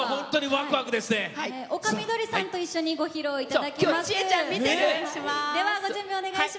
丘みどりさんと一緒にご披露いただきます。